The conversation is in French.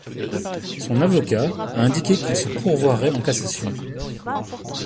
Son avocat a indiqué qu'il se pourvoirait en cassation.